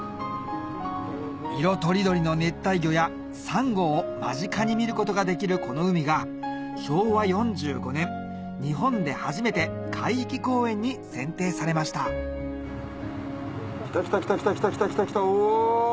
色とりどりの熱帯魚やサンゴを間近に見ることができるこの海が昭和４５年日本で初めて海域公園に選定されました来た来た来たお！